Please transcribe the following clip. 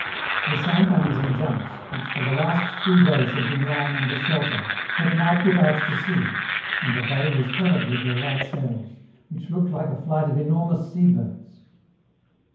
The sampans and junks, which for the last three days had been lying under shelter, had now put out to sea, and the bay was covered with their white sails, which looked like a flight of enormous seabirds.